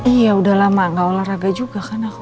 iya udah lama gak olahraga juga kan aku